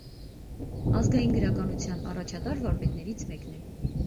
Ազգային գրականության առաջատար վարպետներից մեկն է։